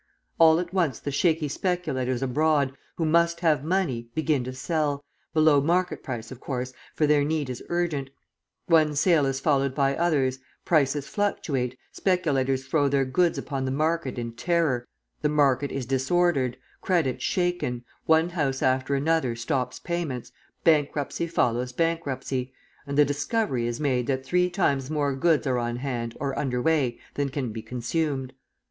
All at once the shaky speculators abroad, who must have money, begin to sell, below market price, of course, for their need is urgent; one sale is followed by others, prices fluctuate, speculators throw their goods upon the market in terror, the market is disordered, credit shaken, one house after another stops payments, bankruptcy follows bankruptcy, and the discovery is made that three times more goods are on hand or under way than can be consumed.